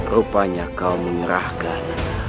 rupanya kau mengerahkan